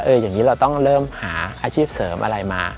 อย่างนี้เราต้องเริ่มหาอาชีพเสริมอะไรมา